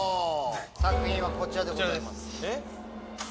作品はこちらでございます。